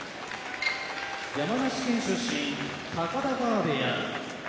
山梨県出身高田川部屋